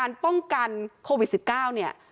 ถ้ายังไม่ได้ฉีดวัคซีนสำคัญหรือไม่นะคะ